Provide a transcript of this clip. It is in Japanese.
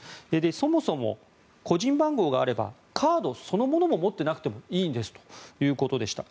そもそも個人番号があればカードそのものも持ってなくていいんですということでした。